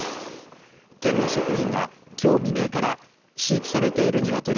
県の職員が、きょう未明から飼育されているニワトリ